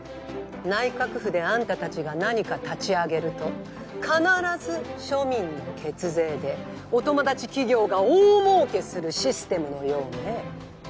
内閣府であんたたちが何か立ち上げると必ず庶民の血税でお友達企業が大もうけするシステムのようね。